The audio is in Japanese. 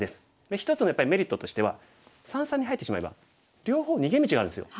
一つのやっぱりメリットとしては三々に入ってしまえば両方逃げ道があるんですよ。